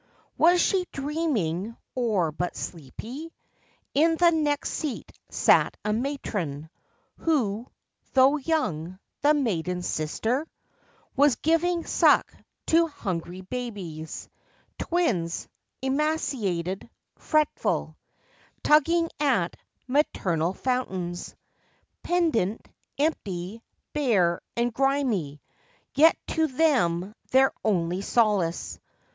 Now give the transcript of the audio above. Was she dreaming, or but sleepy ? In the next seat sat a matron, Who, though young—the maiden's sister— Was giving suck to hungry babies— Twins—emaciated, fretful; Tugging at "maternal fountains," Pendent, empty, bare, and grimy; Yet to them their only solace.